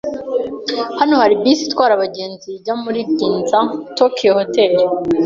Hano hari bisi itwara abagenzi ijya muri Ginza Tokyu Hotel.